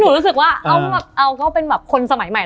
หนูรู้สึกว่าเอาก็เป็นคนสมัยใหม่